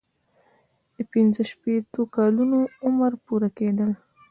د پنځه شپیتو کلونو عمر پوره کیدل.